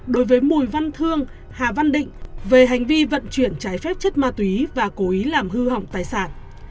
đối với mùi văn thương hà văn định về hành vi vận chuyển trái phép chất ma túy và cố ý làm hư hỏng tài sản